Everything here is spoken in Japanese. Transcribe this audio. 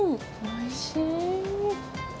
おいしい。